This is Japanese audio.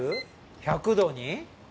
１００度に？